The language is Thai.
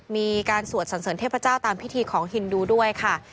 มีการสวดสันเสริญเทพเจ้าตามพิธีของฮินดูด้วยค่ะ